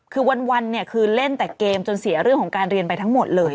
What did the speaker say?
คือวันเนี่ยคือเล่นแต่เกมจนเสียเรื่องของการเรียนไปทั้งหมดเลย